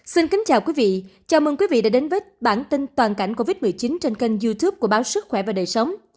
xin kính chào quý vị chào mừng quý vị đã đến với bản tin toàn cảnh covid một mươi chín trên kênh youtube của báo sức khỏe và đời sống